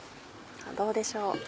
どうでしょう。